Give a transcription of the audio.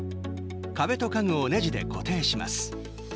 壁と家具をねじで固定します。